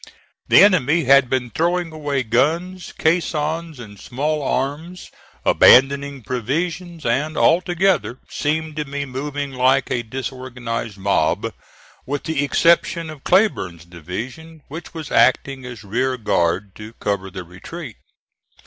The enemy had been throwing away guns, caissons and small arms, abandoning provisions, and, altogether, seemed to be moving like a disorganized mob, with the exception of Cleburne's division, which was acting as rear guard to cover the retreat.